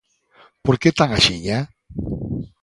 Por que tan axiña?